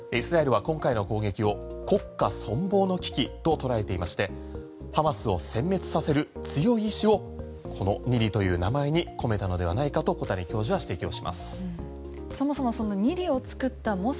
イスラエルは今回の攻撃を国家存亡の危機と捉えていましてハマスを殲滅させる強い意志をこのニリという名前に込めたのではないかと小谷教授は教授は指摘をします。